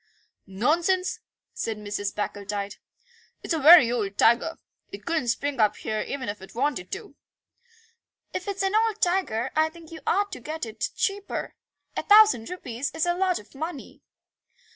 "Nonsense," said Mrs. Packletide; "it's a very old tiger. It couldn't spring up here even if it wanted to." "If it's an old tiger I think you ought to get it cheaper. A thousand rupees is a lot of money."